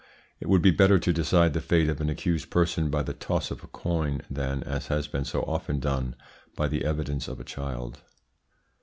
It would be better to decide the fate of an accused person by the toss of a coin than, as has been so often done, by the evidence of a child.